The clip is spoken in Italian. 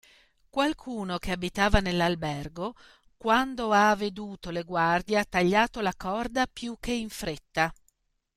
Qualcuno, che abitava nell'albergo, quando ha veduto le guardie, ha tagliato la corda piú che in fretta.